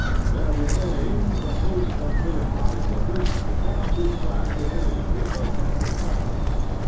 There remain the host of philanthropic workers who cannot be classed in any of the above men Civic Helpfulness 105 tioned classes.